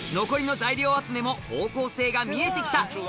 残りの材料集めも方向性が見えてきた。